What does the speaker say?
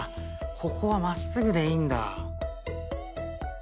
ここは真っすぐでいいんだ。